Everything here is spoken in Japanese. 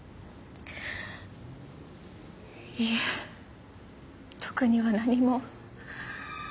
いいえ特には何も。